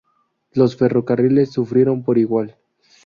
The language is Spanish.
Los ferrocarriles sufrieron por igual.